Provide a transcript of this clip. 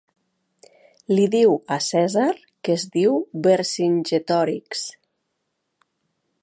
Li diu a Cèsar que es diu Vercingetòrix.